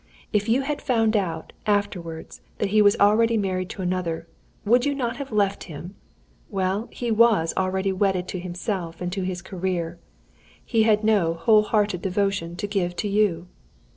If you had found out, afterwards, that he was already married to another, would you not have left him? Well, he was already wedded to himself and to his career. He had no whole hearted devotion to give to you.